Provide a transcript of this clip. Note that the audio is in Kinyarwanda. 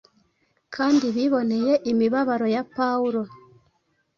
kandi biboneye imibabaro ya Pawulo,